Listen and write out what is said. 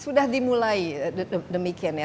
sudah dimulai demikian ya